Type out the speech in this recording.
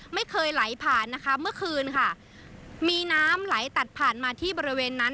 ไม่เคยไหลผ่านนะคะเมื่อคืนค่ะมีน้ำไหลตัดผ่านมาที่บริเวณนั้น